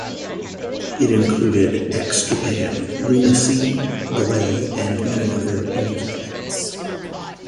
It included X Japan, Luna Sea, Glay and many other music acts.